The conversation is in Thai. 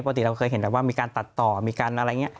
ปกติเราเคยเห็นแบบว่ามีการตัดต่อมีการอะไรอย่างนี้